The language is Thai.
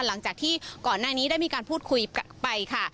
หลังจากที่ก่อนหน้านี้ได้มีการพูดคุยไปค่ะ